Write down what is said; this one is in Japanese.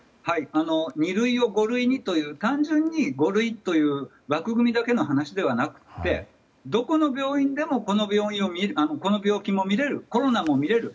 二類を五類にという単純に五類という枠組みではなくてどこの病院でも、この病気も診れる、コロナも診れる。